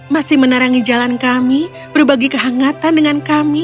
masih menarangi jalan kami berbagi kehangatan